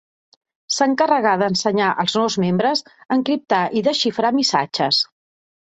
S'encarregà d'ensenyar als nous membres a encriptar i desxifrar missatges.